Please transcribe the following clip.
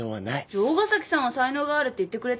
城ヶ崎さんは才能があるって言ってくれたわ。